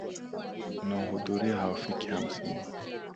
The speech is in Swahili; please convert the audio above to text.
Wanaohudhuria hawafiki hamsini.